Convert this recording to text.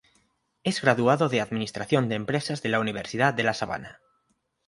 Es graduado de Administración de Empresas de la Universidad de La Sabana.